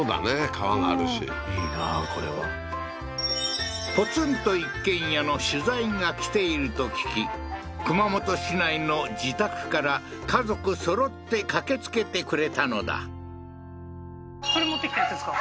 川があるしうんいいなこれはポツンと一軒家の取材が来ていると聞熊本市内の自宅から家族そろって駆けつけてくれたのだこれ持ってきたやつですか？